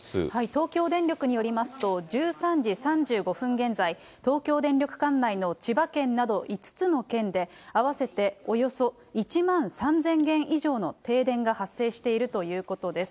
東京電力によりますと、１３時３５分現在、東京電力管内の千葉県など５つの県で、合わせておよそ１万３０００軒以上の停電が発生しているということです。